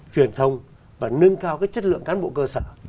truyền thông và nâng cao chất lượng cán bộ cơ sở